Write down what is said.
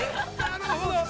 ◆なるほど。